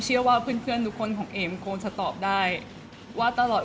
เพราะว่าสิ่งเหล่านี้มันเป็นสิ่งที่ไม่มีพยาน